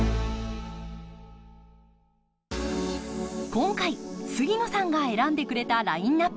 今回杉野さんが選んでくれたラインナップ。